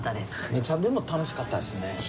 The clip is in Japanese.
めちゃでも楽しかったですね。